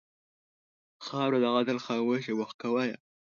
خاوره د عدل خاموشه محکمـه ده.